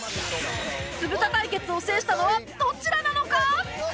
酢豚対決を制したのはどちらなのか？